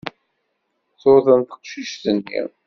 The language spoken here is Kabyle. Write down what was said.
Tuḍen teqcict-nni.